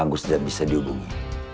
agus sudah bisa dihubungi